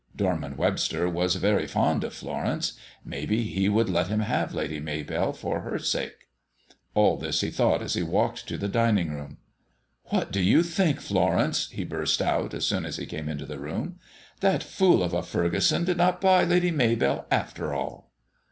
Dorman Webster was very fond of Florence; maybe he would let him have Lady Maybell for her sake. All this he thought as he walked to the dining room. "What do you think, Florence?" he burst out, as soon as he came into the room. "That fool of a Furgeson did not buy Lady Maybell, after all."